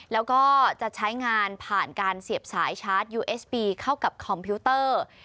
แล้วก็จะใช้งานผ่านการเสียบสายชาร์จยูเอสปีเข้ากับคอมพิวเตอร์